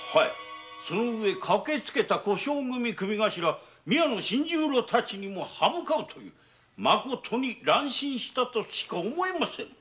その上駆けつけた小姓組組頭・宮野新十郎たちに刃向かいまことに乱心したとしか思えませぬ。